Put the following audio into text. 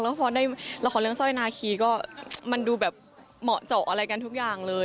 แล้วพอได้ละครเรื่องสร้อยนาคีก็มันดูแบบเหมาะเจาะอะไรกันทุกอย่างเลย